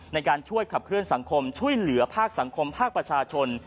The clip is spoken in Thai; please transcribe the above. ในการช่วยขับเคลื่อนสังคมช่วยเหลือภาคสังคมภาคประชาชน